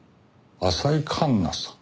浅井環那さん？